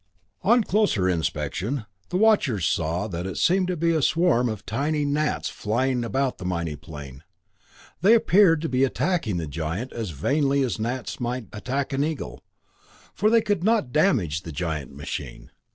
On closer inspection, the watchers saw what seemed to be a swarm of tiny gnats flying about the mighty plane. They appeared to be attacking the giant as vainly as gnats might attack an eagle, for they could not damage the giant machine.